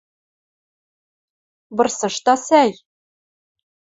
Вырсышда, сӓй?